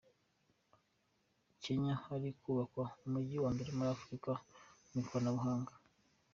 Kenya Hari kubakwa umujyi wa mbere muri Afurika mu ikoranabuhanga